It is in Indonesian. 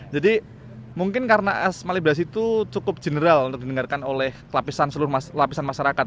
jadi mungkin karena asma liberasi itu cukup general untuk didengarkan oleh lapisan seluruh lapisan masyarakat